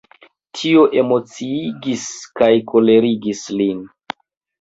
Tio emociigis kaj kolerigis lin.